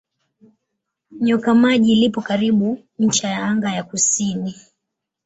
Nyoka Maji lipo karibu ncha ya anga ya kusini.